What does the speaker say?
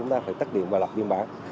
thì tắt điện và lập biên bản